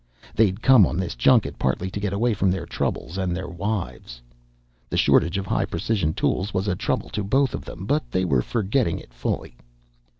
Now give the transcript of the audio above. They'd come on this junket partly to get away from their troubles and their wives. The shortage of high precision tools was a trouble to both of them, but they were forgetting it fully.